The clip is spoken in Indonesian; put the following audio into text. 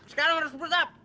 sekarang harus pusap